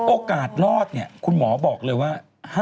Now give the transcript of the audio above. โอกาสรอดคุณหมอบอกเลยว่า๕๐๕๐